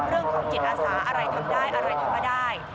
เรื่องของจิตอาสาอะไรทำได้อะไรทำไม่ได้